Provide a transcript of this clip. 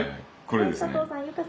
これですね。